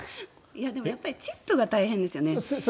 でもやっぱりチップが大変ですよね。